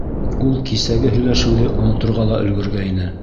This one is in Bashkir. Ул кисәге һөйләшеүҙе оноторға ла өлгөргәйне.